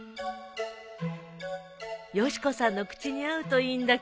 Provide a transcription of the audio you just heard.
よし子さんの口に合うといいんだけど。